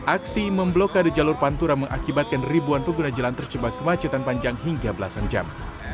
aksi memblokade jalur pantura mengakibatkan ribuan pengguna jalan terjebak kemacetan panjang hingga belasan jam